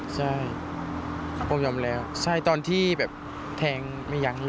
ใช่ผมยอมแล้วใช่ตอนที่แบบแทงไม่ยั้งเลย